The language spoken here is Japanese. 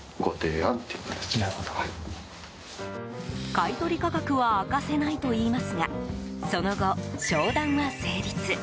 買い取り価格は明かせないといいますがその後、商談は成立。